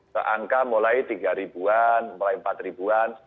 seangka mulai tiga an mulai empat an